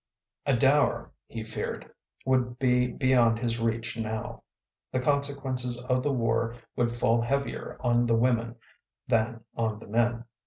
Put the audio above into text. A dower, he feared, would be beyond his reach now. The consequences of the war would fall heavier on the women than on the men.